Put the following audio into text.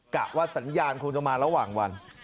กะว่าสัญญาณคงจะมาระหว่างวัน